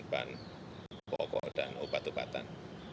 bahan pokok dan obat obatan